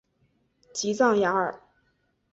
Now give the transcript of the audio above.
吉藏雅尔。